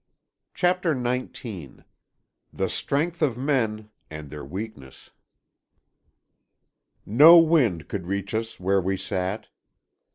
CHAPTER XIX—THE STRENGTH OF MEN—AND THEIR WEAKNESS No wind could reach us where we sat.